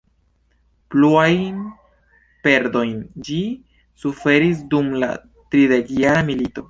Pluajn perdojn ĝi suferis dum la tridekjara milito.